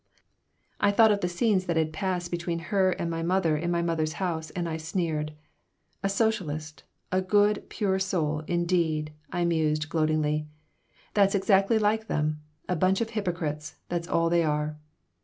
I thought of the scenes that had passed between her and myself in her mother's house and I sneered. "A socialist, a good, pure soul, indeed!" I mused, gloatingly. "That's exactly like them. A bunch of hypocrites, that's all they are."